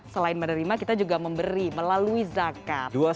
selain menerima kita juga memberi melalui zakat